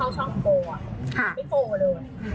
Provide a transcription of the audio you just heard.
มีแบบนี้มีการบริการแบบนี้เกิดขึ้นแล้วนะ